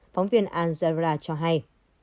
phóng viên anjarira cho hay